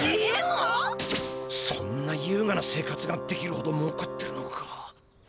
そんなゆうがな生活ができるほどもうかってるのか。